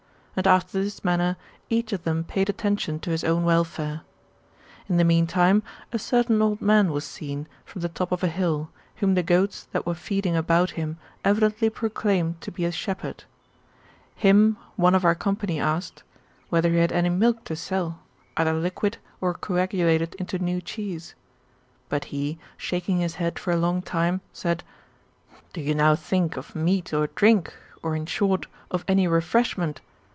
And after this manner each of them paid attention to his own welfare. In the meantime, a certain old man was seen, from the top of a hill, whom the goats that were feeding about him evidently proclaimed to be a shepherd. Him one of our company asked, Whether he had any milk to sell, either liquid, or coagulated into new cheese ? But he, shaking his head for a long time, said: "Do you now think of meat or drink, or, in short, of any refreshment?